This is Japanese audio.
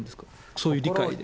そういう理解で。